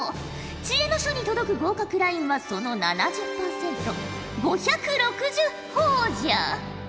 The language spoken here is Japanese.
知恵の書に届く合格ラインはその７０パーセント５６０ほぉじゃ。